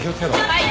はい。